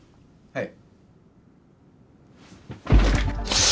はい。